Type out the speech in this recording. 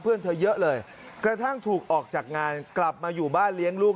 เพื่อนเธอเยอะเลยกระทั่งถูกออกจากงานกลับมาอยู่บ้านเลี้ยงลูก